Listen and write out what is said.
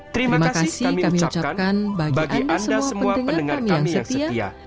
terima kasih kami ucapkan bagi anda semua pendengar kami yang setia